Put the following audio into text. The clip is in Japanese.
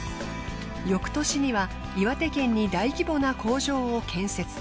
翌年には岩手県に大規模な工場を建設。